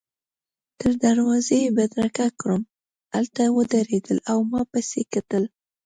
تر دروازې يې بدرګه کړم، هلته ودرېدل او ما پسي کتل.